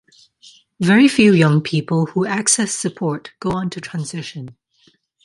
Very few young people who access support go on to transition.